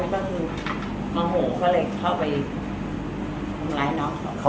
จากนั้นมันก็คือมะโหก็เลยเข้าไปกลุ่มร้ายน้องเขา